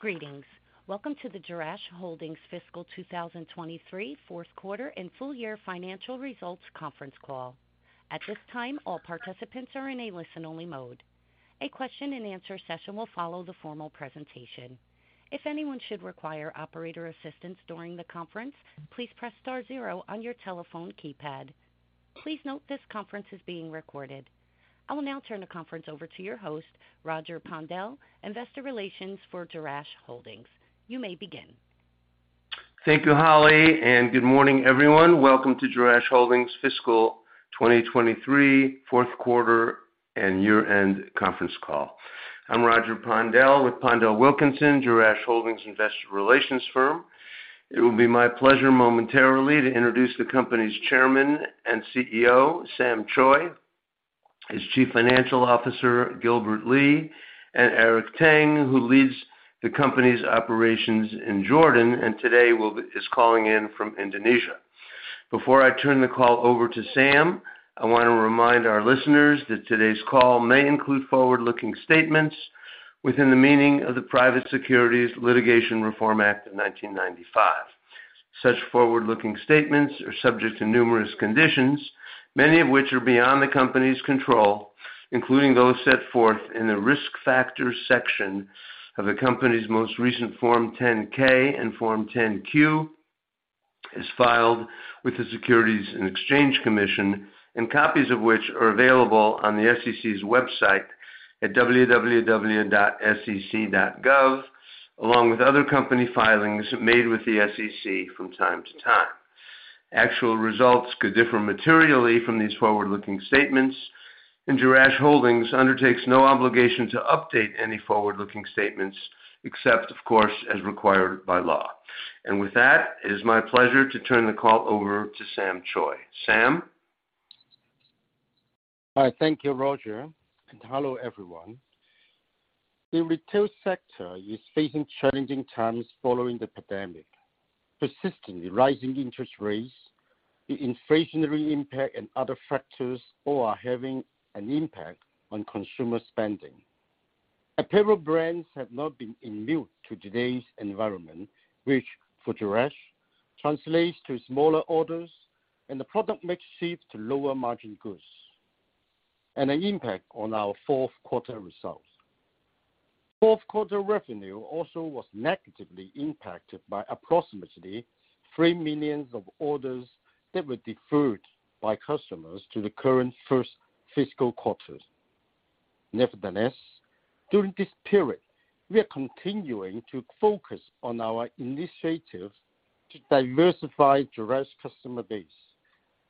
Greetings. Welcome to the Jerash Holdings fiscal 2023 fourth quarter and full year financial results conference call. At this time, all participants are in a listen-only mode. A question-and-answer session will follow the formal presentation. If anyone should require operator assistance during the conference, please press star zero on your telephone keypad. Please note, this conference is being recorded. I will now turn the conference over to your host, Roger Pondel, Investor Relations for Jerash Holdings. You may begin. Thank you, Holly. Good morning, everyone. Welcome to Jerash Holdings fiscal 2023 fourth quarter and year-end conference call. I'm Roger Pondel with PondelWilkinson, Jerash Holdings investor relations firm. It will be my pleasure momentarily to introduce the company's Chairman and CEO, Sam Choi; his Chief Financial Officer, Gilbert Lee; and Eric Tang, who leads the company's operations in Jordan, and today is calling in from Indonesia. Before I turn the call over to Sam, I want to remind our listeners that today's call may include forward-looking statements within the meaning of the Private Securities Litigation Reform Act of 1995. Such forward-looking statements are subject to numerous conditions, many of which are beyond the company's control, including those set forth in the risk factors section of the company's most recent Form 10-K and Form 10-Q, as filed with the Securities and Exchange Commission, and copies of which are available on the SEC's website at www.sec.gov, along with other company filings made with the SEC from time to time. Actual results could differ materially from these forward-looking statements, Jerash Holdings undertakes no obligation to update any forward-looking statements except, of course, as required by law. With that, it is my pleasure to turn the call over to Sam Choi. Sam? Hi. Thank you, Roger, hello, everyone. The retail sector is facing challenging times following the pandemic. Persistently rising interest rates, the inflationary impact, and other factors all are having an impact on consumer spending. Apparel brands have not been immune to today's environment, which for Jerash translates to smaller orders and the product mix shift to lower-margin goods and an impact on our fourth quarter results. Fourth quarter revenue also was negatively impacted by approximately $3 million of orders that were deferred by customers to the current first fiscal quarter. Nevertheless, during this period, we are continuing to focus on our initiatives to diversify Jerash customer base,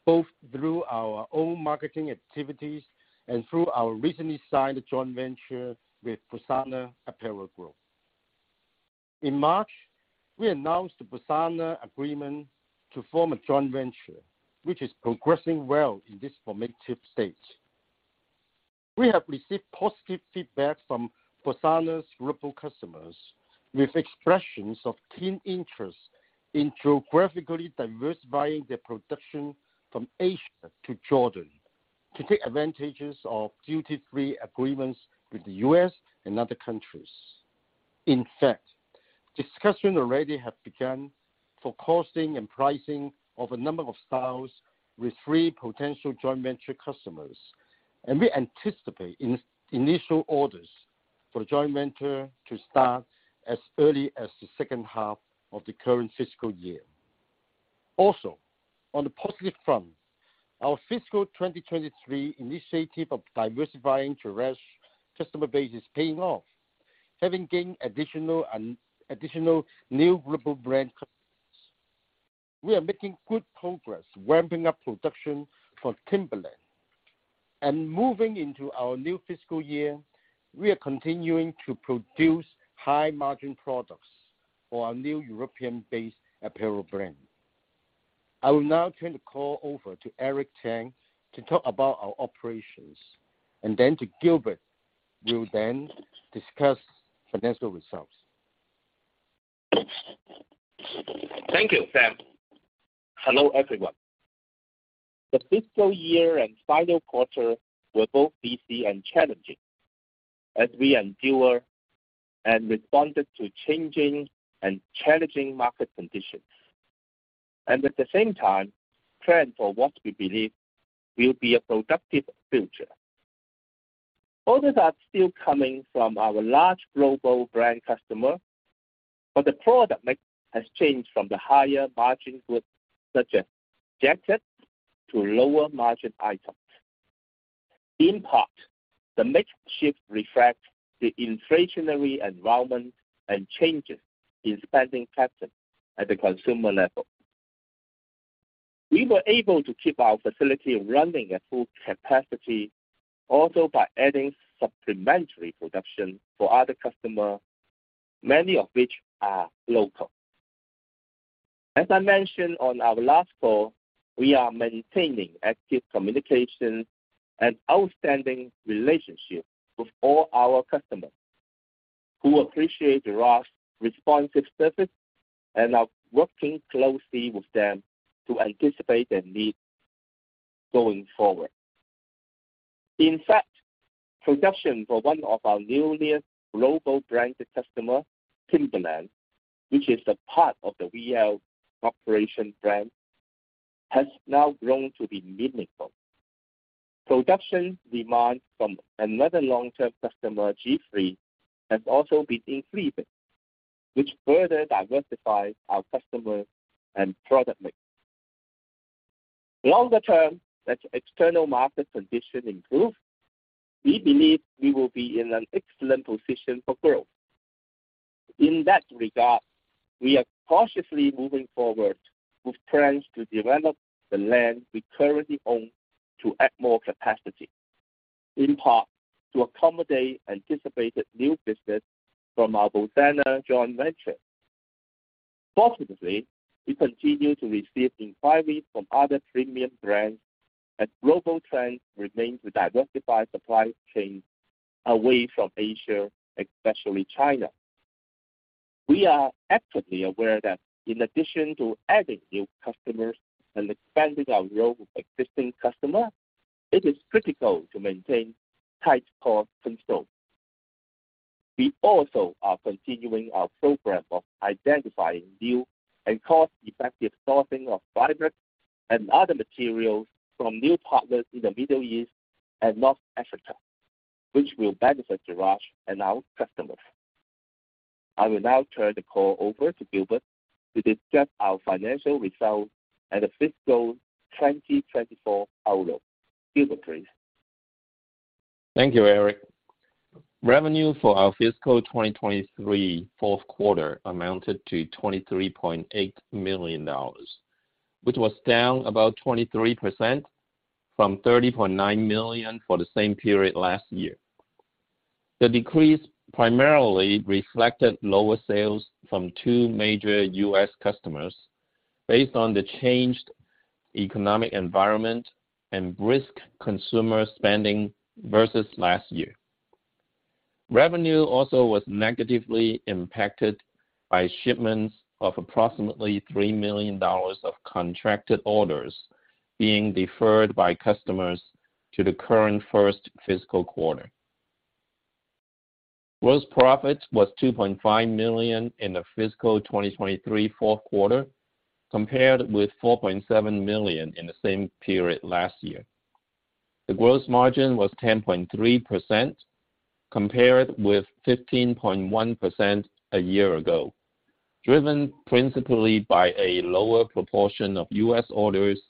both through our own marketing activities and through our recently signed joint venture with Busana Apparel Group. In March, we announced the Busana agreement to form a joint venture, which is progressing well in this formative stage. We have received positive feedback from Busana's global customers, with expressions of keen interest in geographically diversifying their production from Asia to Jordan to take advantages of duty-free agreements with the U.S. and other countries. In fact, discussions already have begun for costing and pricing of a number of styles with three potential joint venture customers, and we anticipate initial orders for the joint venture to start as early as the second half of the current fiscal year. On a positive front, our fiscal 23 initiative of diversifying Jerash customer base is paying off, having gained additional new global brand customers. We are making good progress ramping up production for Timberland. Moving into our new fiscal year, we are continuing to produce high-margin products for our new European-based apparel brand. I will now turn the call over to Eric Tang to talk about our operations, and then to Gilbert, who will then discuss financial results. Thank you, Sam. Hello, everyone. The fiscal year and final quarter were both busy and challenging as we endured and responded to changing and challenging market conditions, at the same time, trend for what we believe will be a productive future. Orders are still coming from our large global brand customer, the product mix has changed from the higher-margin goods, such as jackets, to lower-margin items. In part, the mix shift reflects the inflationary environment and changes in spending patterns at the consumer level. We were able to keep our facility running at full capacity, also by adding supplementary production for other customers, many of which are local. As I mentioned on our last call, we are maintaining active communication and outstanding relationships with all our customers, who appreciate Jerash's responsive service and are working closely with them to anticipate their needs going forward. In fact, production for one of our newest global branded customer, Timberland, which is a part of the VF Corporation brand, has now grown to be meaningful. Production demand from another long-term customer, G-III, has also been increasing, which further diversifies our customer and product mix. Longer term, as external market conditions improve, we believe we will be in an excellent position for growth. In that regard, we are cautiously moving forward with plans to develop the land we currently own to add more capacity, in part to accommodate anticipated new business from our Busana joint venture. Fortunately, we continue to receive inquiries from other premium brands as global trends remain to diversify supply chains away from Asia, especially China. We are actively aware that in addition to adding new customers and expanding our role with existing customers, it is critical to maintain tight cost control. We also are continuing our program of identifying new and cost-effective sourcing of fibers and other materials from new partners in the Middle East and North Africa, which will benefit Jerash and our customers. I will now turn the call over to Gilbert to discuss our financial results and the fiscal 2024 outlook. Gilbert, please. Thank you, Eric. Revenue for our fiscal 2023 fourth quarter amounted to $23.8 million, which was down about 23% from $30.9 million for the same period last year. The decrease primarily reflected lower sales from two major U.S. customers based on the changed economic environment and brisk consumer spending versus last year. Revenue also was negatively impacted by shipments of approximately $3 million of contracted orders being deferred by customers to the current first fiscal quarter. Gross profit was $2.5 million in the fiscal 2023 fourth quarter, compared with $4.7 million in the same period last year. The gross margin was 10.3%, compared with 15.1% a year ago, driven principally by a lower proportion of U.S. orders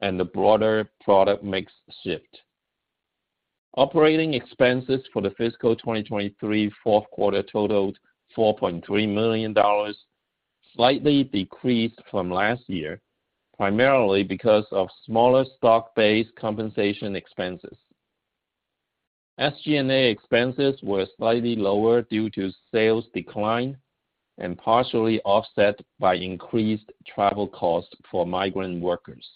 and the broader product mix shift. Operating expenses for the fiscal 2023 fourth quarter totaled $4.3 million, slightly decreased from last year, primarily because of smaller stock-based compensation expenses. SG&A expenses were slightly lower due to sales decline and partially offset by increased travel costs for migrant workers.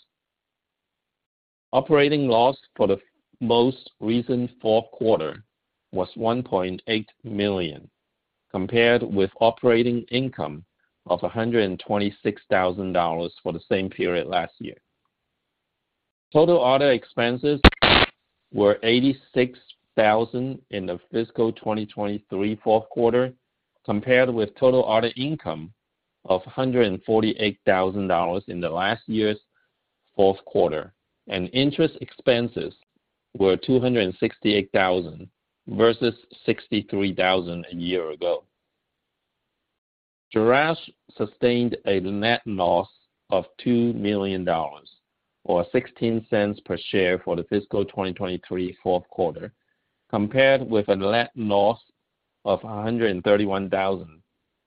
Operating loss for the most recent fourth quarter was $1.8 million, compared with operating income of $126,000 for the same period last year. Total other expenses were $86,000 in the fiscal 2023 fourth quarter, compared with total other income of $148,000 in the last year's fourth quarter. Interest expenses were $268,000 versus $63,000 a year ago. Jerash sustained a net loss of $2 million, or $0.16 per share for the fiscal 2023 fourth quarter, compared with a net loss of $131,000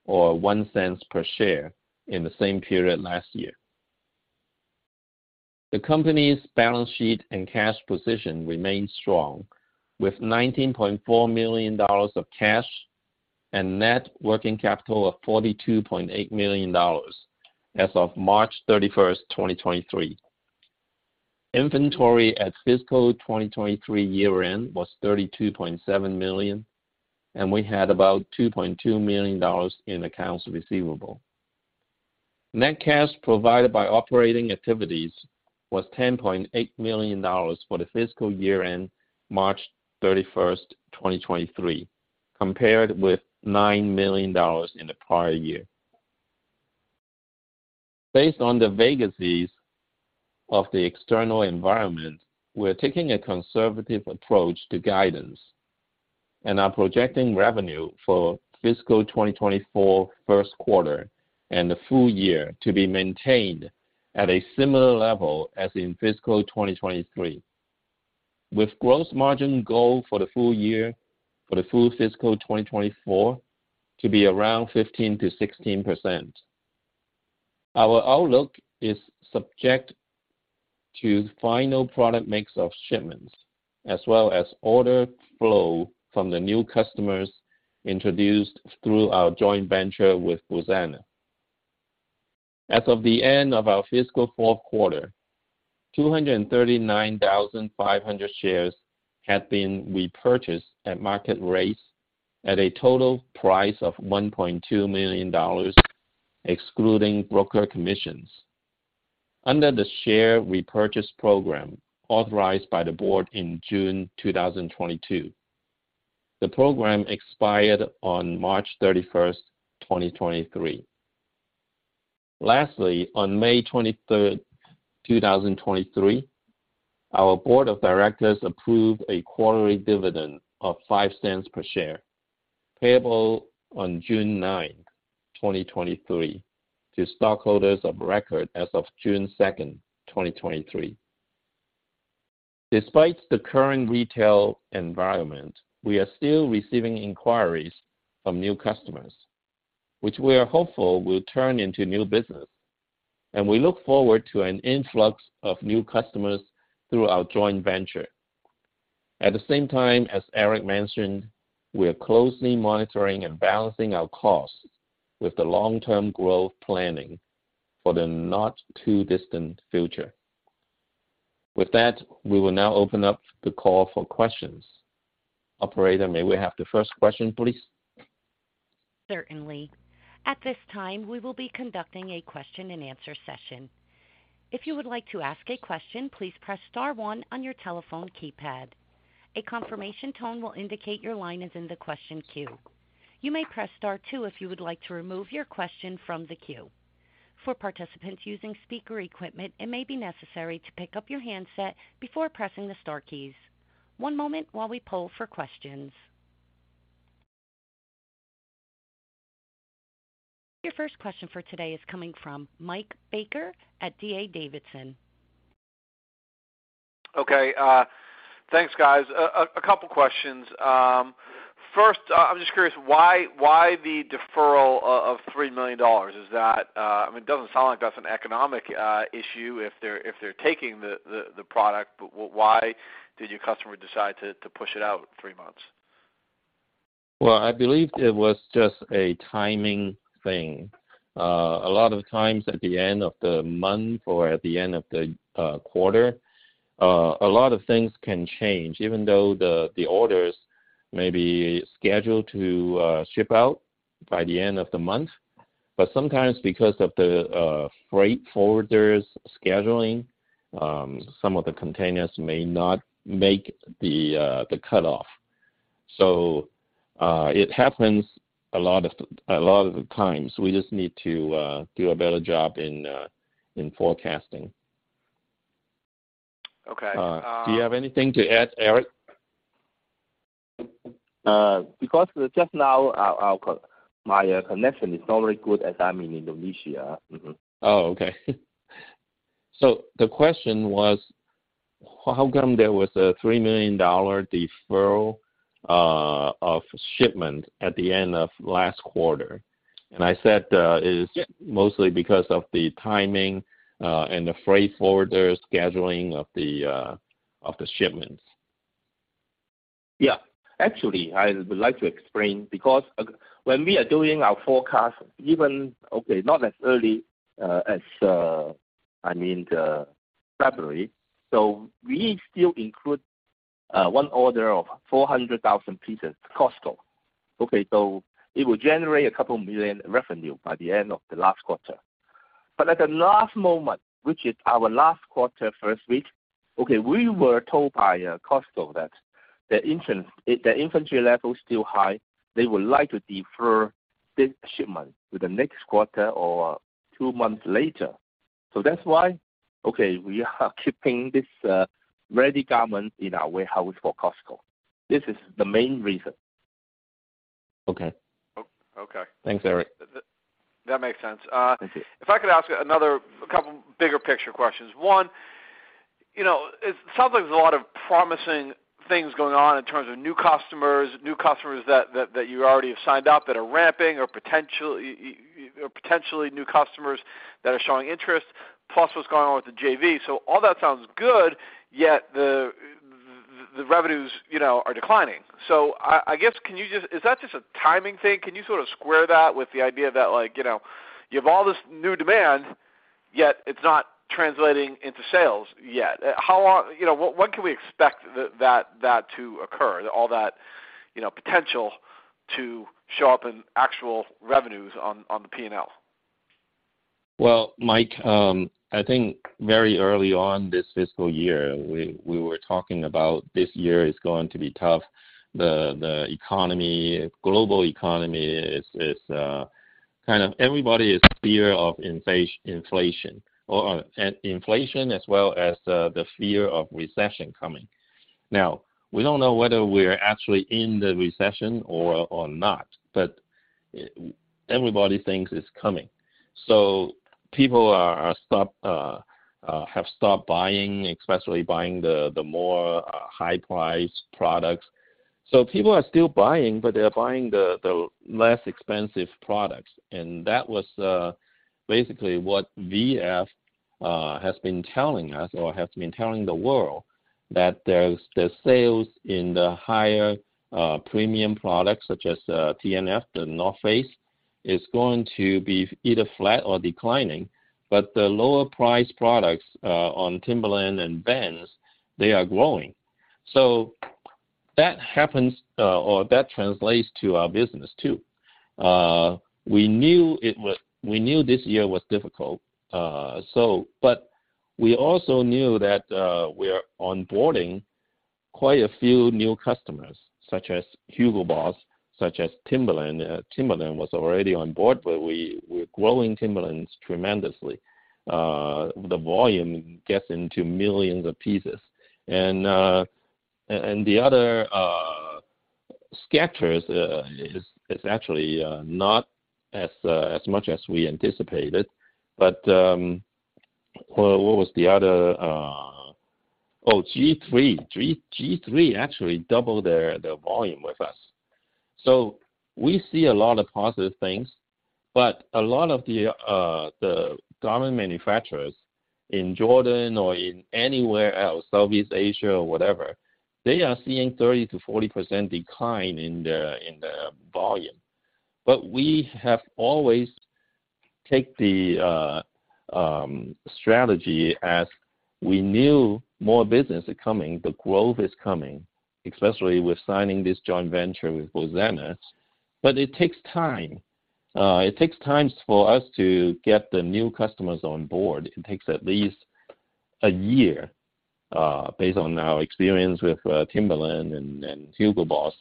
or $0.01 per share in the same period last year. The company's balance sheet and cash position remain strong, with $19.4 million of cash and net working capital of $42.8 million as of March 31, 2023. Inventory at fiscal 2023 year-end was $32.7 million, and we had about $2.2 million in accounts receivable. Net cash provided by operating activities was $10.8 million for the fiscal year-end March 31, 2023, compared with $9 million in the prior year. Based on the vagaries of the external environment, we're taking a conservative approach to guidance and are projecting revenue for fiscal 2024 first quarter and the full year to be maintained at a similar level as in fiscal 2023, with gross margin goal for the full year, for the full fiscal 2024, to be around 15%-16%. Our outlook is subject to final product mix of shipments as well as order flow from the new customers introduced through our joint venture with Busana. As of the end of our fiscal fourth quarter, 239,500 shares had been repurchased at market rates at a total price of $1.2 million, excluding broker commissions, under the share repurchase program authorized by the board in June 2022. The program expired on March thirty-first, 2023. On May 23, 2023, our board of directors approved a quarterly dividend of $0.05 per share, payable on June 9, 2023, to stockholders of record as of June 2, 2023. Despite the current retail environment, we are still receiving inquiries from new customers, which we are hopeful will turn into new business, and we look forward to an influx of new customers through our joint venture. At the same time, as Eric mentioned, we are closely monitoring and balancing our costs with the long-term growth planning for the not-too-distant future. With that, we will now open up the call for questions. Operator, may we have the first question, please? Certainly. At this time, we will be conducting a question and answer session. If you would like to ask a question, please press star one on your telephone keypad. A confirmation tone will indicate your line is in the question queue. You may press star two if you would like to remove your question from the queue. For participants using speaker equipment, it may be necessary to pick up your handset before pressing the star keys. One moment while we poll for questions. Your first question for today is coming from Mike Baker at D.A. Davidson. Okay, thanks, guys. A couple questions. First, I'm just curious, why the deferral of $3 million? Is that... I mean, it doesn't sound like that's an economic issue if they're taking the product, but why did your customer decide to push it out 3 months? Well, I believe it was just a timing thing. A lot of times at the end of the month or at the end of the quarter, a lot of things can change, even though the orders may be scheduled to ship out by the end of the month. Sometimes because of the freight forwarder's scheduling, some of the containers may not make the cutoff. It happens a lot of the times. We just need to do a better job in forecasting. Okay. Do you have anything to add, Eric? Because just now my connection is not very good, as I'm in Indonesia. Mm-hmm. Oh, okay. The question was, how come there was a $3 million deferral of shipment at the end of last quarter? I said, it is mostly because of the timing and the freight forwarder scheduling of the shipments. Yeah. Actually, I would like to explain because when we are doing our forecast, even, okay, not as early as I mean the February, we still include one order of 400,000 pieces, Costco. Okay, it will generate a couple million revenue by the end of the last quarter. At the last moment, which is our last quarter, first week, okay, we were told by Costco that the inventory level is still high. They would like to defer this shipment to the next quarter or two months later. That's why, okay, we are keeping this ready garment in our warehouse for Costco. This is the main reason. Okay. O-okay. Thanks, Eric. That makes sense. Thank you. If I could ask a couple bigger picture questions. One, you know, it sounds like there's a lot of promising things going on in terms of new customers, new customers that you already have signed up, that are ramping or potentially new customers that are showing interest, plus what's going on with the JV. All that sounds good, yet the revenues, you know, are declining. I guess, is that just a timing thing? Can you sort of square that with the idea that, like, you know, you have all this new demand, yet it's not translating into sales yet. How long? You know, when can we expect that to occur, all that, you know, potential to show up in actual revenues on the P&L? Mike, I think very early on this fiscal year, we were talking about this year is going to be tough. The global economy is kind of everybody is fear of inflation as well as the fear of recession coming. Now, we don't know whether we're actually in the recession or not, but everybody thinks it's coming. People have stopped buying, especially buying the more high price products. People are still buying, but they're buying the less expensive products, and that was basically what VF has been telling us or has been telling the world, that there's, the sales in the higher premium products, such as TNF, The North Face, is going to be either flat or declining, but the lower price products on Timberland and Vans, they are growing. That happens or that translates to our business, too. We knew this year was difficult, but we also knew that we are onboarding quite a few new customers, such as HUGO BOSS, such as Timberland. Timberland was already on board, but we're growing Timberland tremendously. The volume gets into millions of pieces. The other Skechers is actually not as much as we anticipated. What was the other... Oh, G-III. G-III actually doubled their volume with us. We see a lot of positive things, but a lot of the garment manufacturers in Jordan or in anywhere else, Southeast Asia or whatever, they are seeing 30%-40% decline in their volume. We have always take the strategy as we knew more business is coming, the growth is coming, especially with signing this joint venture with Busana, but it takes time. It takes time for us to get the new customers on board. It takes at least a year based on our experience with Timberland and HUGO BOSS.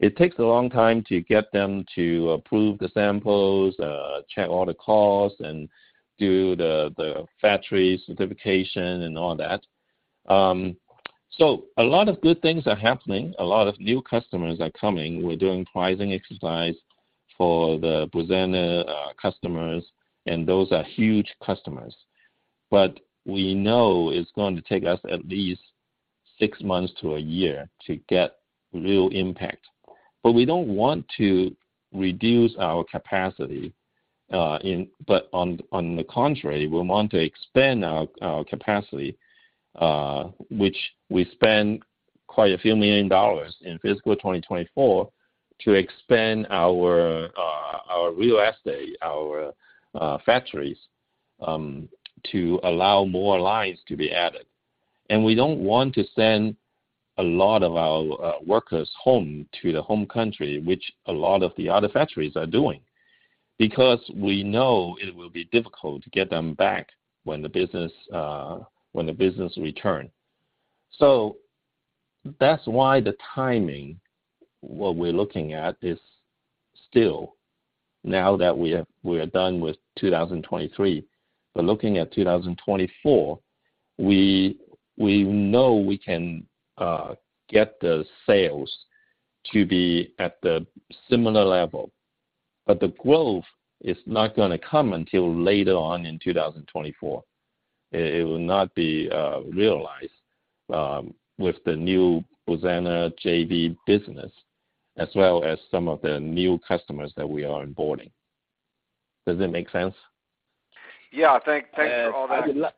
It takes a long time to get them to approve the samples, check all the costs, and do the factory certification and all that. A lot of good things are happening. A lot of new customers are coming. We're doing pricing exercise for the Busana customers, and those are huge customers. We know it's going to take us at least 6 months to 1 year to get real impact. We don't want to reduce our capacity, on the contrary, we want to expand our capacity, which we spend quite a few million dollars in fiscal 2024 to expand our real estate, our factories, to allow more lines to be added. We don't want to send a lot of our workers home to the home country, which a lot of the other factories are doing, because we know it will be difficult to get them back when the business return. That's why the timing, what we're looking at, is still now that we are done with 2023. Looking at 2024, we know we can get the sales to be at the similar level, but the growth is not gonna come until later on in 2024. It will not be realized with the new Busana JV business, as well as some of the new customers that we are onboarding. Does that make sense? Yeah. Thank you for all that.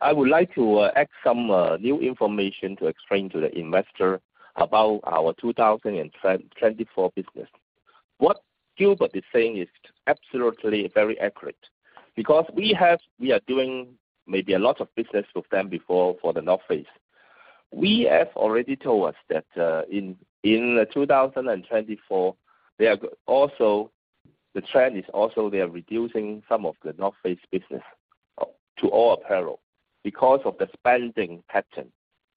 I would like to add some new information to explain to the investor about our 2024 business. What Gilbert is saying is absolutely very accurate because we are doing maybe a lot of business with them before for The North Face. VF already told us that in 2024, they are also the trend is also they are reducing some of The North Face business to all apparel because of the spending pattern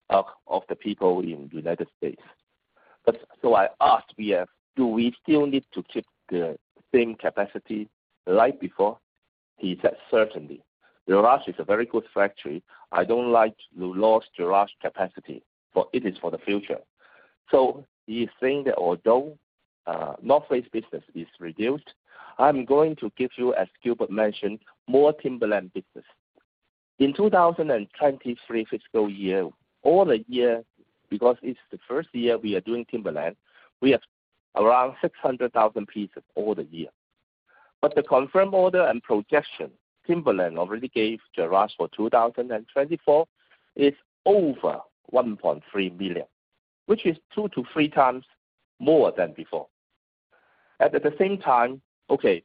of the people in the United States. I asked VF, "Do we still need to keep the same capacity like before?" He said, "Certainly, Jerash is a very good factory. I don't like to lose Jerash capacity, for it is for the future." He's saying that although The North Face business is reduced, I'm going to give you, as Gilbert mentioned, more Timberland business. In 2023 fiscal year, all the year, because it's the first year we are doing Timberland, we have around 600,000 pieces all the year. The confirmed order and projection Timberland already gave Jerash for 2024 is over 1.3 million, which is 2 to 3 times more than before. At the same time, okay,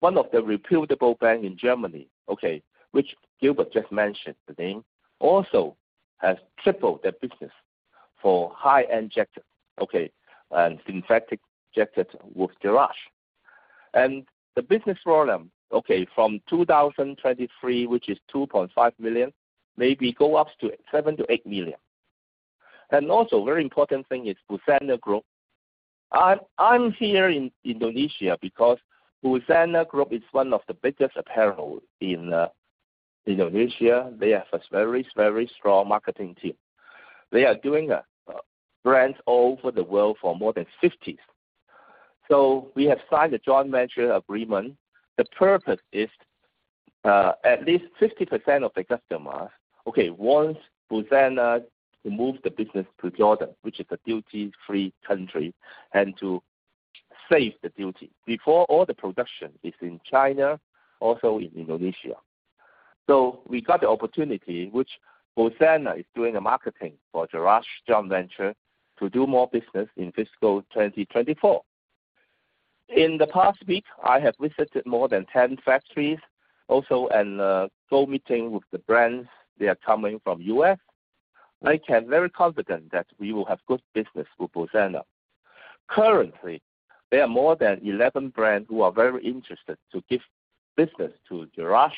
one of the reputable bank in Germany, okay, which Gilbert just mentioned the name, also has tripled their business for high-end jacket, okay, and synthetic jacket with Jerash. The business volume, okay, from 2023, which is $2.5 million, maybe go up to $7 million-$8 million. Very important thing is Busana Group. I'm here in Indonesia because Busana Group is one of the biggest apparel in Indonesia. They have a very, very strong marketing team. They are doing brands all over the world for more than 50. We have signed a joint venture agreement. The purpose is, at least 50% of the customers, okay, want Busana to move the business to Jordan, which is a duty-free country, and to save the duty. Before, all the production is in China, also in Indonesia. We got the opportunity, which Busana is doing a marketing for Jerash joint venture to do more business in fiscal 2024. In the past week, I have visited more than 10 factories also, and, go meeting with the brands. They are coming from U.S. I am very confident that we will have good business with Busana. Currently, there are more than 11 brands who are very interested to give business to Jerash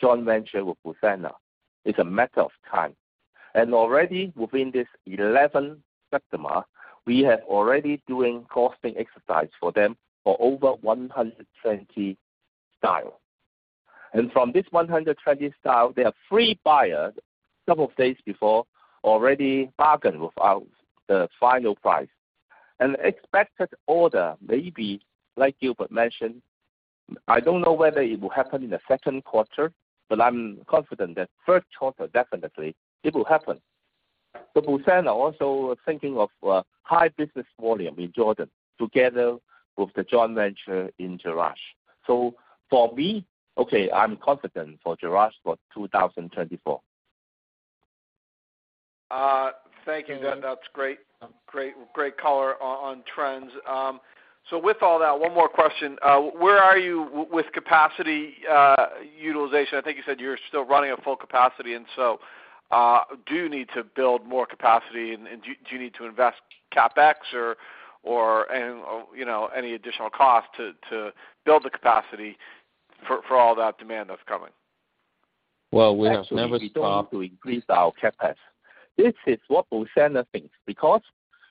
joint venture with Busana. It's a matter of time. Already within this 11 customer, we have already doing costing exercise for them for over 120 style. From this 120 style, there are 3 buyers, couple of days before, already bargained with our, the final price. Expected order, maybe like Gilbert mentioned, I don't know whether it will happen in the second quarter, but I'm confident that first quarter, definitely it will happen. Busana also thinking of, high business volume in Jordan together with the joint venture in Jerash. For me, okay, I'm confident for Jerash for 2024. Thank you. That's great. Great color on trends. With all that, one more question. Where are you with capacity utilization? I think you said you're still running at full capacity, and so do you need to build more capacity, and do you need to invest CapEx or, you know, any additional cost to build the capacity for all that demand that's coming? Well, we have never stopped. Actually, we don't need to increase our CapEx. This is what Busana thinks, because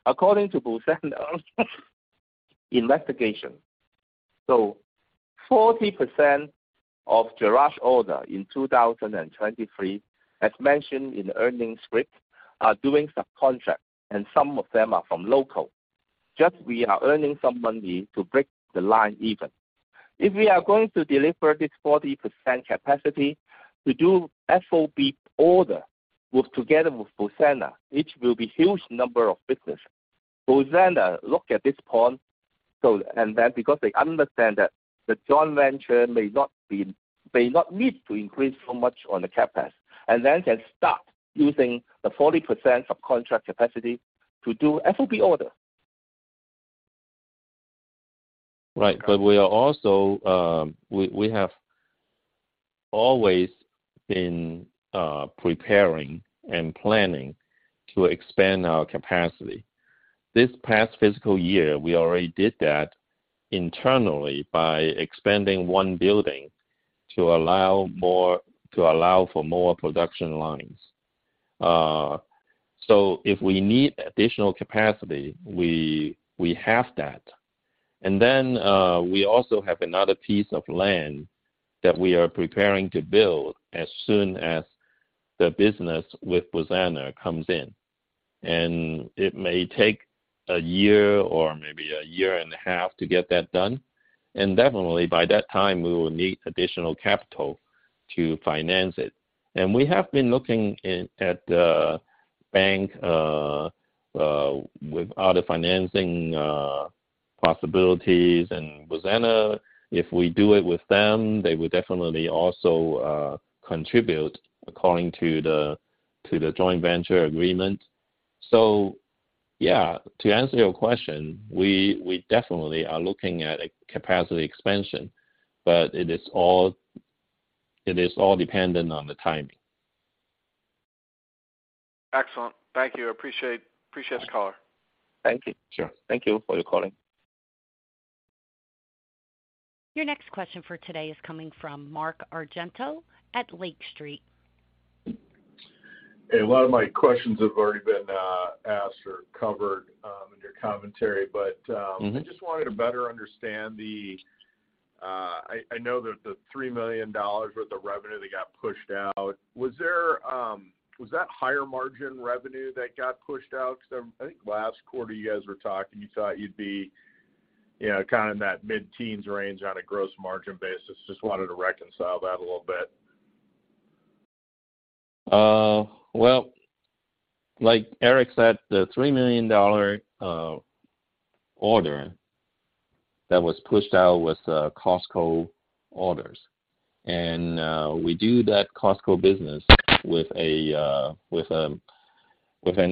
according to Busana investigation, 40% of Jerash order in 2023, as mentioned in the earnings script, are doing subcontract, and some of them are from local. Just we are earning some money to break the line even. If we are going to deliver this 40% capacity to do FOB order with together with Busana, it will be huge number of business. Busana look at this point, because they understand that the joint venture may not need to increase so much on the CapEx, and then can start using the 40% subcontract capacity to do FOB order. Right. We are also, we have always been preparing and planning to expand our capacity. This past fiscal year, we already did that internally by expanding one building to allow for more production lines. If we need additional capacity, we have that. We also have another piece of land that we are preparing to build as soon as the business with Busana comes in. It may take a year or maybe a year and a half to get that done, definitely by that time we will need additional capital to finance it. We have been looking in, at the bank, with other financing possibilities. Busana, if we do it with them, they will definitely also contribute according to the joint venture agreement. Yeah, to answer your question, we definitely are looking at a capacity expansion, but it is all dependent on the timing. Excellent. Thank you. I appreciate its color. Thank you. Sure. Thank you for your calling. Your next question for today is coming from Mark Argento at Lake Street. A lot of my questions have already been asked or covered in your commentary, but. Mm-hmm. I just wanted to better understand the... I know that the $3 million worth of revenue that got pushed out, was there, was that higher margin revenue that got pushed out? I think last quarter you guys were talking, you thought you'd be, you know, kind of in that mid-teens range on a gross margin basis. Just wanted to reconcile that a little bit. Well, like Eric said, the $3 million order that was pushed out was Costco orders. We do that Costco business with an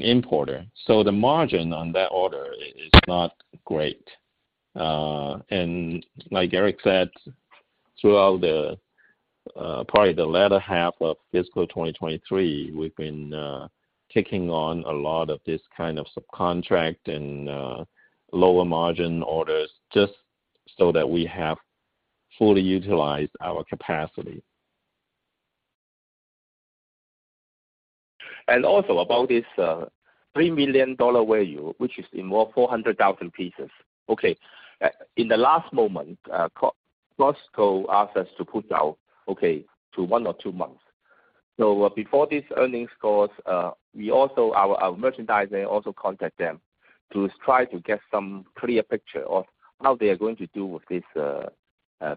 importer. The margin on that order is not great. Like Eric said, throughout the, probably the latter half of fiscal 2023, we've been taking on a lot of this kind of subcontract and lower margin orders just so that we have fully utilized our capacity. Also about this $3 million value, which is in more 400,000 pieces. In the last moment, Costco asked us to push out to one or two months. Before this earnings calls, we also, our merchandiser also contact them to try to get some clear picture of how they are going to do with this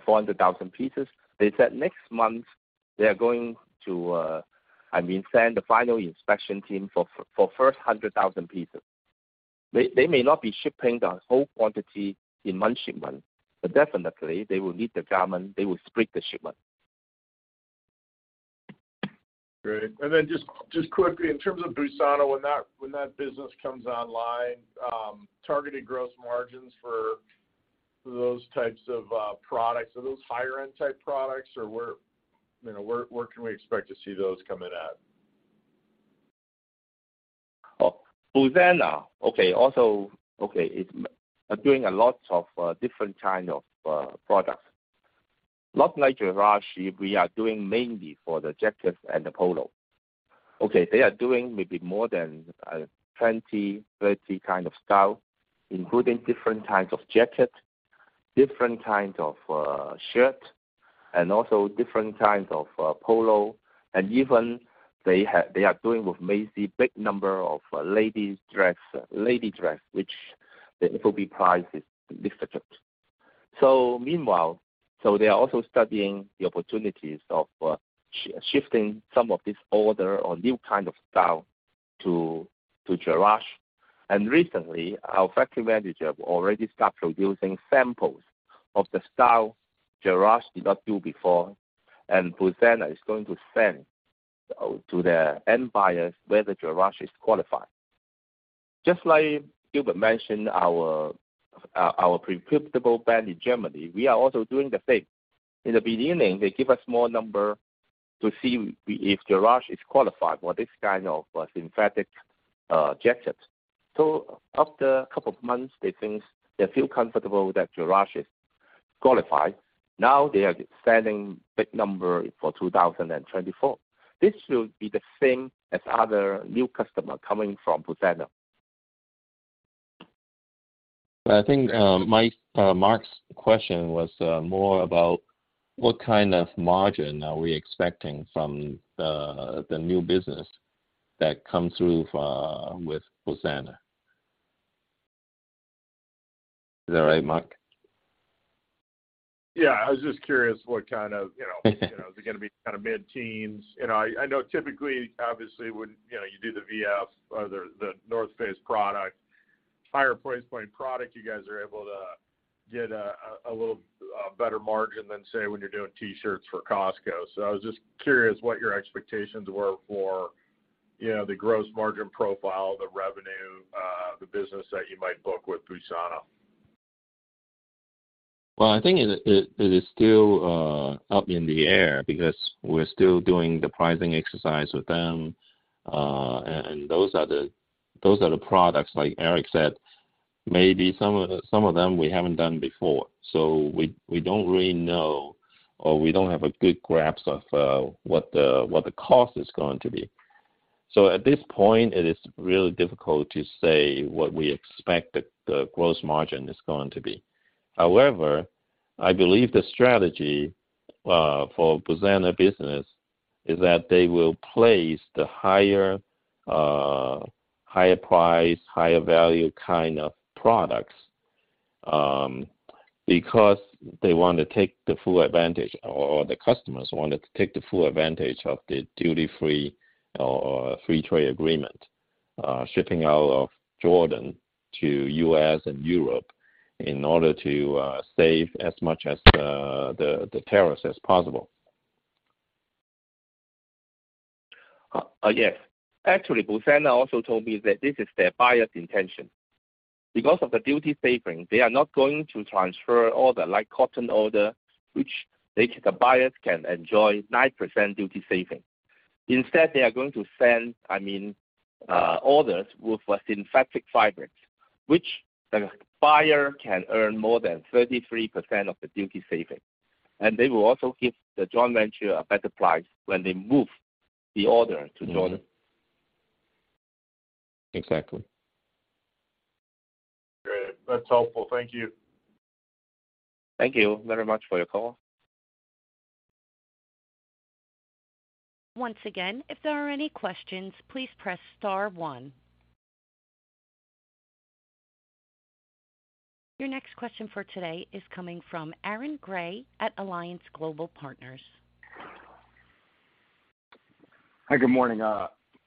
400,000 pieces. They said next month they are going to, I mean, send the final inspection team for first 100,000 pieces. They may not be shipping the whole quantity in one shipment, but definitely they will need the garment, they will split the shipment. Great. Then just quickly, in terms of Busana, when that business comes online, targeted gross margins for those types of products, are those higher-end type products? Or where, you know, where can we expect to see those coming at? Busana. It's doing a lot of different kind of products. Not like Jerash, we are doing mainly for the jackets and the polo. They are doing maybe more than 20, 30 kind of style, including different types of jackets, different kinds of shirt, and also different kinds of polo. Even they are doing with Macy's, big number of ladies dress, lady dress, which the FOB price is different. Meanwhile, they are also studying the opportunities of shifting some of this order or new kind of style to Jerash. Recently, our factory manager already start producing samples of the style Jerash did not do before. Busana is going to send to their end buyers whether Jerash is qualified. Just like Gilbert mentioned, our profitable brand in Germany, we are also doing the same. In the beginning, they give us small number to see if Jerash is qualified for this kind of synthetic jackets. After a couple of months, they think they feel comfortable that Jerash is qualified. Now they are sending big number for 2024. This will be the same as other new customer coming from Busana. I think, Mike, Mark's question was, more about what kind of margin are we expecting from the new business that comes through, with Busana. Is that right, Mark? I was just curious what kind of, you know, is it going to be kind of mid-teens? You know, I know typically, obviously, when, you know, you do the VF or the The North Face product, higher price point product, you guys are able to get a little better margin than, say, when you're doing T-shirts for Costco. I was just curious what your expectations were for, you know, the gross margin profile, the revenue, the business that you might book with Busana. Well, I think it is still up in the air because we're still doing the pricing exercise with them, and those are the products, like Eric said, maybe some of them we haven't done before. We don't really know, or we don't have a good grasp of what the cost is going to be. At this point, it is really difficult to say what we expect the gross margin is going to be. However, I believe the strategy for Busana business is that they will place the higher price, higher value kind of products, because they want to take the full advantage or the customers wanted to take the full advantage of the duty-free or free trade agreement, shipping out of Jordan to U.S. and Europe in order to save as much as the tariffs as possible. Yes. Actually, Busana also told me that this is their buyer's intention. Because of the duty savings, they are not going to transfer all the light cotton order, which they, the buyers can enjoy 9% duty saving. Instead, they are going to send, I mean, orders with a synthetic fabric, which the buyer can earn more than 33% of the duty saving. They will also give the joint venture a better price when they move the order to Jordan. Exactly. Great. That's helpful. Thank you. Thank you very much for your call. Once again, if there are any questions, please press star one. Your next question for today is coming from Aaron Grey at Alliance Global Partners. Hi, good morning.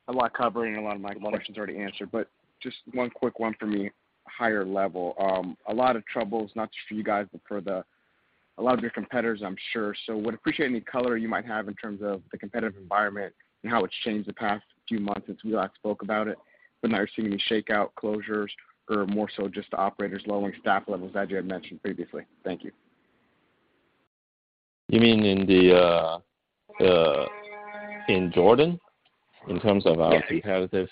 A lot covering, a lot of my questions already answered, but just one quick one for me, higher level. A lot of troubles, not just for you guys, but for a lot of your competitors, I'm sure. Would appreciate any color you might have in terms of the competitive environment and how it's changed the past few months since we last spoke about it. Now you're seeing any shakeout, closures, or more so just the operators lowering staff levels as you had mentioned previously. Thank you. You mean in the, in Jordan, in terms of our- Yes. Competitors?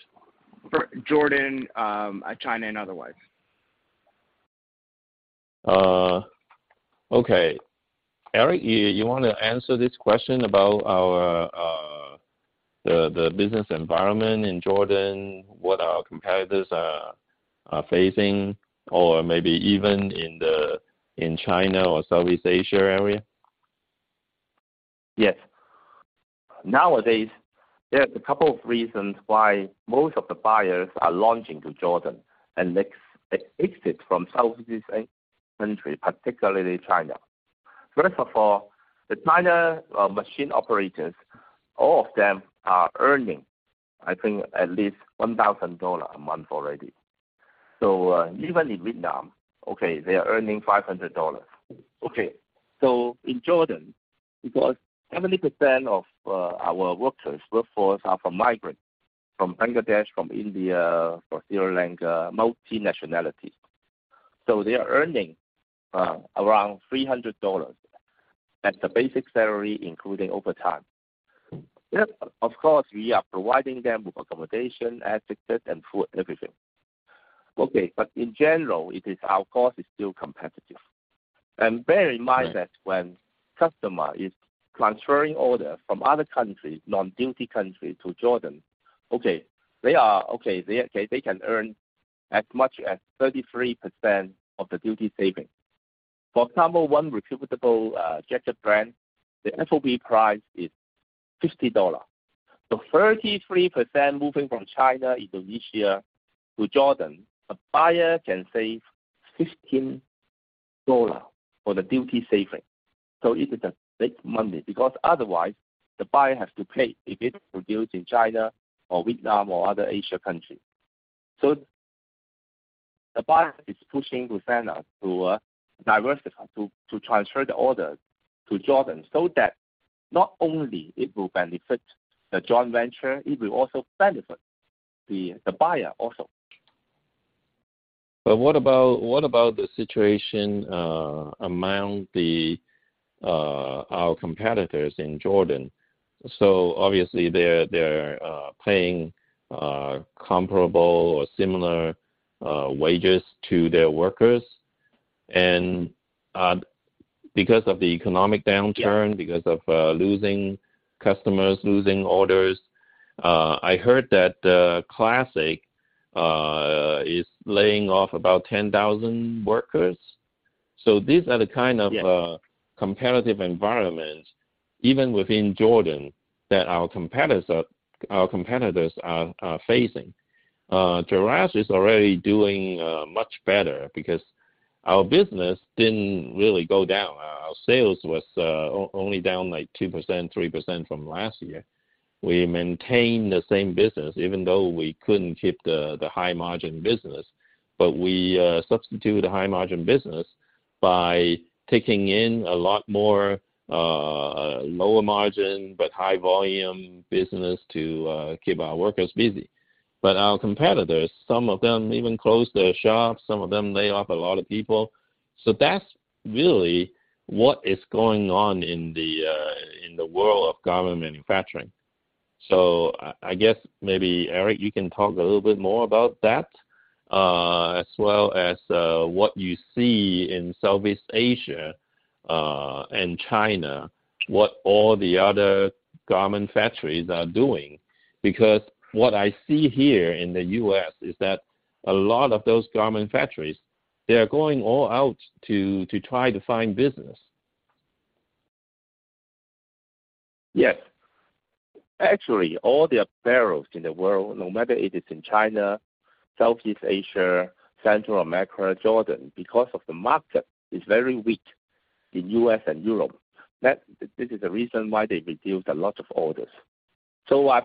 Jordan, China, and otherwise. Okay. Eric, you want to answer this question about our business environment in Jordan, what our competitors are facing, or maybe even in China or Southeast Asia area? Yes. Nowadays, there are a couple of reasons why most of the buyers are launching to Jordan and make exit from Southeast Asia country, particularly China. First of all, the China machine operators, all of them are earning, I think, at least $1,000 a month already. Even in Vietnam, okay, they are earning $500. In Jordan, because 70% of our workers, workforce are from migrant, from Bangladesh, from India, from Sri Lanka, multi-nationality. They are earning around $300 as the basic salary, including overtime. Yes, of course, we are providing them with accommodation, as stated, and food, everything. In general, it is our cost is still competitive. Bear in mind. Right. that when customer is transferring order from other countries, non-duty country to Jordan, they can earn as much as 33% of the duty saving. For example, one recuperable jacket brand, the FOB price is $50. 33% moving from China, Indonesia, to Jordan, a buyer can save $15 for the duty saving. It is a big money because otherwise the buyer has to pay if it produced in China or Vietnam or other Asia country. The buyer is pushing Busana to diversify, to transfer the order to Jordan, so that not only it will benefit the joint venture, it will also benefit the buyer also. What about the situation among the our competitors in Jordan? Obviously, they're paying comparable or similar wages to their workers. Because of the economic downturn- Yeah. -because of, losing customers, losing orders, I heard that Classic Fashion is laying off about 10,000 workers. These are the kind of- Yes -competitive environments, even within Jordan, that our competitors are facing. G-III is already doing much better because our business didn't really go down. Our sales was only down like 2%, 3% from last year. We maintained the same business, even though we couldn't keep the high-margin business. We substitute the high-margin business by taking in a lot more lower margin, but high volume business to keep our workers busy. Our competitors, some of them even closed their shops, some of them lay off a lot of people. That's really what is going on in the world of garment manufacturing. I guess maybe, Eric, you can talk a little bit more about that, as well as, what you see in Southeast Asia, and China, what all the other garment factories are doing. Because what I see here in the U.S. is that a lot of those garment factories, they are going all out to try to find business. Yes. Actually, all the apparels in the world, no matter it is in China, Southeast Asia, Central America, Jordan, because of the market is very weak in U.S. and Europe, that this is the reason why they reduced a lot of orders.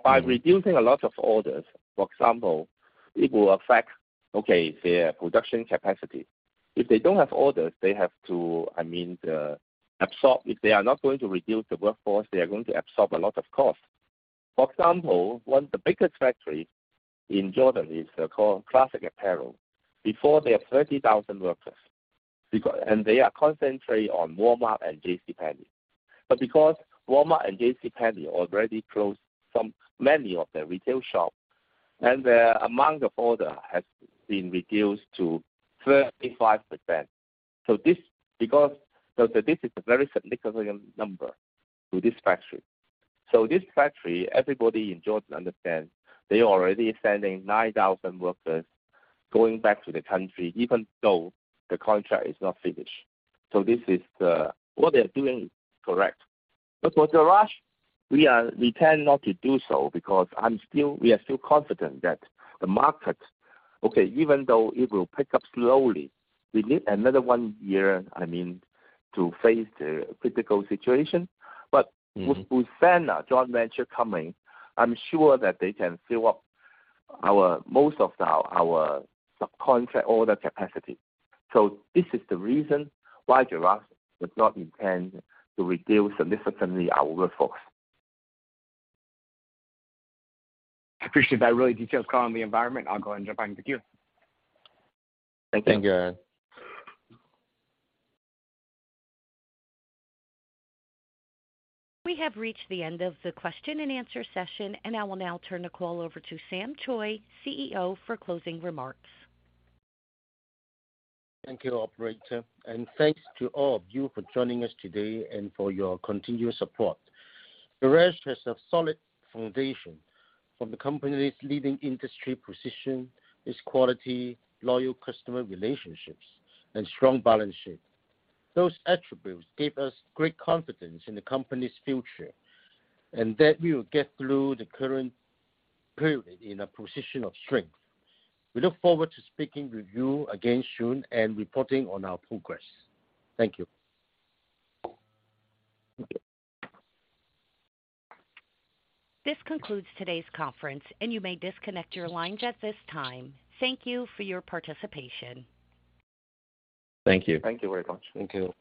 by reducing a lot of orders, for example, it will affect, okay, their production capacity. If they don't have orders, they have to, I mean, absorb. If they are not going to reduce the workforce, they are going to absorb a lot of cost. For example, one, the biggest factory in Jordan is called Classic Fashion. Before, they have 30,000 workers, and they are concentrated on Walmart and JCPenney. because Walmart and JCPenney already closed some, many of their retail shops, and their amount of order has been reduced to 35%. This is a very significant number to this factory. This factory, everybody in Jordan understands, they are already sending 9,000 workers going back to the country, even though the contract is not finished. This is the what they are doing, correct. For G-III, we tend not to do so because I'm still, we are still confident that the market, okay, even though it will pick up slowly, we need another one year, I mean, to face the critical situation. Mm-hmm. With Senna joint venture coming, I'm sure that they can fill up our, most of our subcontract order capacity. This is the reason why G-III does not intend to reduce significantly our workforce. I appreciate that really detailed call on the environment. I'll go and jump back in the queue. Thank you. Thank you, Aaron. We have reached the end of the question and answer session, and I will now turn the call over to Sam Choi, CEO, for closing remarks. Thank you, operator, and thanks to all of you for joining us today and for your continuous support. G-III has a solid foundation from the company's leading industry position, its quality, loyal customer relationships, and strong balance sheet. Those attributes give us great confidence in the company's future, and that we will get through the current period in a position of strength. We look forward to speaking with you again soon and reporting on our progress. Thank you. This concludes today's conference, and you may disconnect your lines at this time. Thank you for your participation. Thank you. Thank you very much. Thank you.